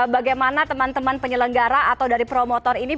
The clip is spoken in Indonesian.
bagaimana teman teman penyelenggara atau dari promotor ini